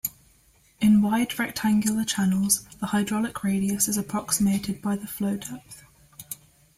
In wide rectangular channels, the hydraulic radius is approximated by the flow depth.